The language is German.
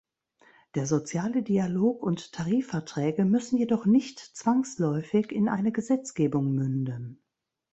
Der soziale Dialog und Tarifverträge müssen jedoch nicht zwangsläufig in eine Gesetzgebung münden.